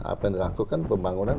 apa yang dilakukan pembangunan